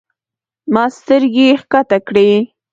ما سترګې کښته کړې.